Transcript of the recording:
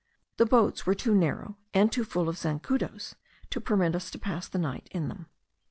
The boats were too narrow and too full of zancudos to permit us to pass the night in them.